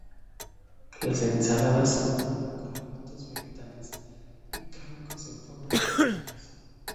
Las ensaladas se presentan con elementos vegetales y cárnicos en forma de vegetales.